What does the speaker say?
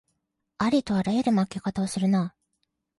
ありとあらゆる負け方をするなあ